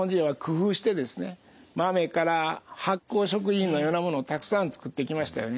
豆から発酵食品のようなものをたくさん作ってきましたよね。